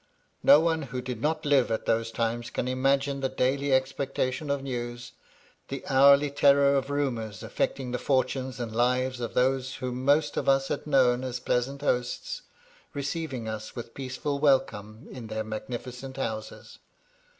No one who did not live at those times can imagine the daily expectation of news, — the hourly terror of rumours affecting the fortunes and lives of those whom most of us had known as pleasant hosts, receiving us with peaceful welcome in their magnificent houses.